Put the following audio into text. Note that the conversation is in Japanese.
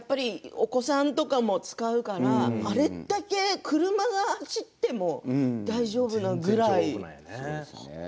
お子さんとかも使うからあれだけ車が走ってもそうですね